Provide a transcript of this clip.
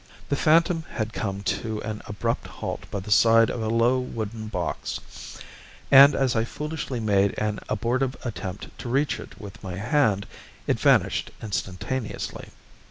The phantom had come to an abrupt halt by the side of a low wooden box, and as I foolishly made an abortive attempt to reach it with my hand, it vanished instantaneously.